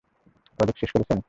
Project শেষ করেছেন?